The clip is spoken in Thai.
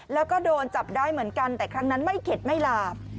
แล้วก็โดนจับได้เหมือนกันแต่ครั้งนั้นไม่เข็ดไม่หลาบ